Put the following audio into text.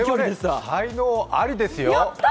これは才能ありですよ。